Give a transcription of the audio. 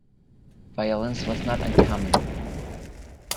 Violence was not uncommon.